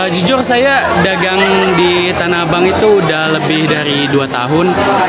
jujur saya dagang di tanah abang itu sudah lebih dari dua tahun